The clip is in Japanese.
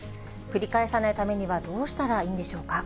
繰り返さないためにはどうしたらいいんでしょうか。